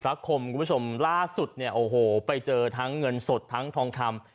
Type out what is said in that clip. คมคุณผู้ชมล่าสุดเนี่ยโอ้โหไปเจอทั้งเงินสดทั้งทองคำ